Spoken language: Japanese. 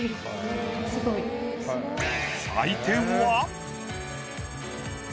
採点は。